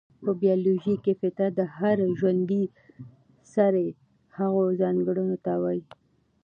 په بيالوژي کې فطرت د هر ژوندي سري هغو ځانګړنو ته وايي،